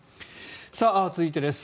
続いてです。